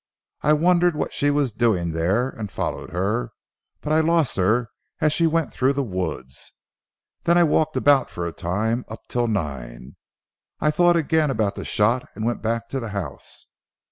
I wondered what she was doing there, and followed her, but I lost her as she went through the woods. Then I walked about for a time, up till nine. I thought again about the shot and went back to the house.